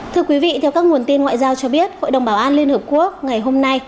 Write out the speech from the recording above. thưa quý vị theo các nguồn tin ngoại giao cho biết hội đồng bảo an liên hợp quốc ngày hôm nay